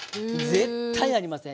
絶対なりません！